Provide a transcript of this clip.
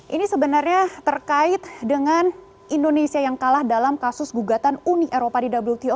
ini sebenarnya terkait dengan indonesia yang kalah dalam kasus gugatan uni eropa di wto